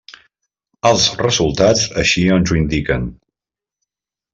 Els resultats així ens ho indiquen.